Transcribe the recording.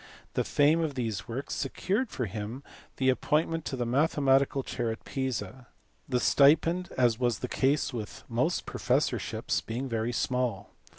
The fame of these works secured for him the appointment to the mathematical chair at Pisa the stipend, as was the case with most professorships, being very small.